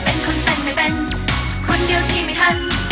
เป็นคนเต้นไม่เป็นคนเดียวที่ไม่ทัน